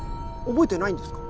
覚えてないんですか？